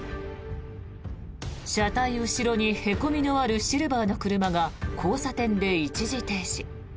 車体の後ろにへこみのあるシルバーの車が交差点で一時停止。